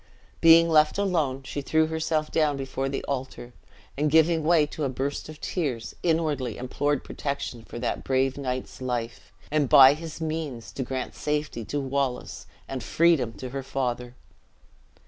Being left alone, she threw herself down before the altar, and giving way to a burst of tears, inwardly implored protection for that brave knight's life; and by his means to grant safety to Wallace, and freedom to her father!